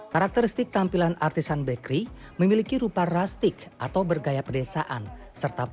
karakteristik tampilan artisan bakery memiliki rupa rustic atau bergaya pedesaan serta punya akses serpihannya